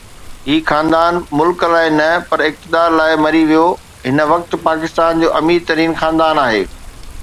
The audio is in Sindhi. هي خاندان ملڪ لاءِ نه پر اقتدار لاءِ مري ويو، هن وقت پاڪستان جو امير ترين خاندان آهي